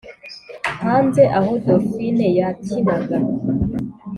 hanze aho dolphine yakinaga,